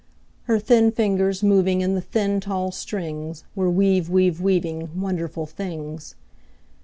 Her thin fingers, moving In the thin, tall strings, Were weav weav weaving Wonderful things.